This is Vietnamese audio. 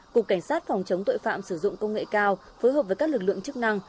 cục cảnh sát phòng chống tội phạm sử dụng công nghệ cao phối hợp với các lực lượng chức năng